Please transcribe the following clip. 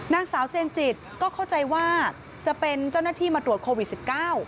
นางสาวเจนจิตก็เข้าใจว่าจะเป็นเจ้าหน้าที่มาตรวจโควิด๑๙